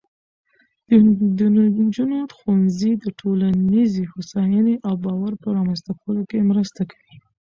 د نجونو ښوونځی د ټولنیزې هوساینې او باور په رامینځته کولو کې مرسته کوي.